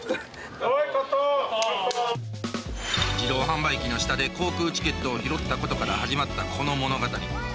自動販売機の下で航空チケットを拾ったことから始まったこの物語。